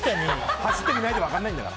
走ってみないと分からないんだから。